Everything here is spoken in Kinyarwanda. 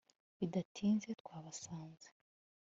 bidatinze twabasanze